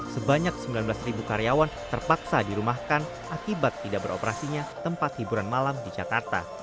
sebanyak sembilan belas karyawan terpaksa dirumahkan akibat tidak beroperasinya tempat hiburan malam di jakarta